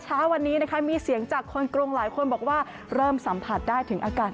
เช้าวันนี้นะคะมีเสียงจากคนกรุงหลายคนบอกว่าเริ่มสัมผัสได้ถึงอากาศ